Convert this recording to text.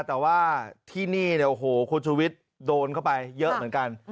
แต่ว่าที่นี่เนี่ยโอ้โหคุณชุวิตโดนเข้าไปเยอะเหมือนกัน